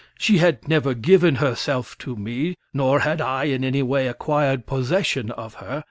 She had never given herself to me, nor had I, in any way, acquired possession of her.